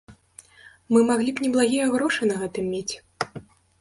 Мы маглі б неблагія грошы на гэтым мець.